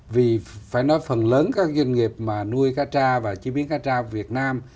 vì phải nói phần lớn các doanh nghiệp mà nuôi cá tra và chế biến cá tra việt nam